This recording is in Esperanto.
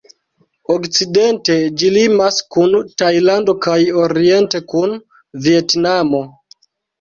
Okcidente ĝi limas kun Tajlando kaj oriente kun Vjetnamo.